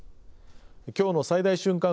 きょうの最大瞬間